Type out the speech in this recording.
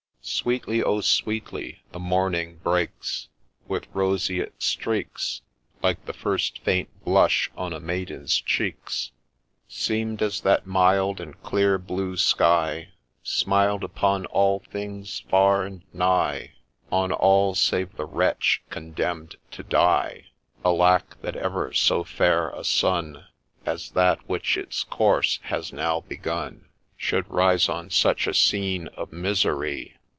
Sweetly, oh ! sweetly, the morning breaks, With roseate streaks, Like the first faint blush on a maiden's cheeks ; Seem'd as that mild and clear blue sky Smiled upon all things far and nigh, On all — save the wretch condemn'd to die 1 Alack ! that ever so fair a Sun As that which ite course has now begun, Should rise on such a scene of misery